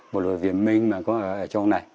một đội viên minh mà có ở trong này